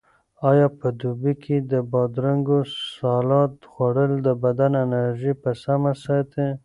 آیا په دوبي کې د بادرنګو سالاډ خوړل د بدن انرژي په سمه ساتي؟